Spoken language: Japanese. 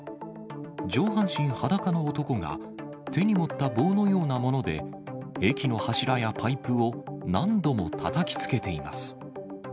上半身裸の男が、手に持った棒のようなもので、駅の柱やパイプを何度もたたきつけています。